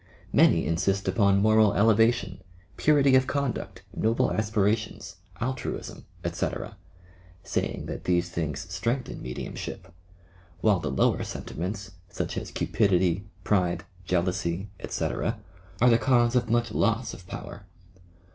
Many insist upon moral elevation, purity of conduct, noble aspirations, altruism, etc., — saying that these things strengthen mediumship, while the lower sentiments such as cupidity, pride, jealousy, etc. are the 13 14 YOUR PSYCHIC POWERS cause of much loss of power.